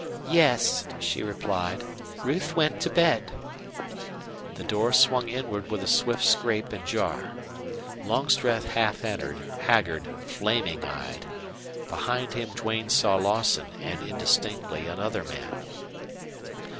"Yes," she replied. "Ruth went to bed." The door swung inward with a swift scrape and jar. Longstreth half entered, haggard, flaming eyed. Behind him Duane saw Lawson, and indistinctly another man.